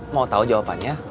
mau tau jawabannya